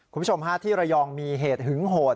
คุณผู้ชมฮะที่ระยองมีเหตุหึงโหด